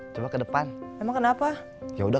coba kedepan emang kenapa ya udah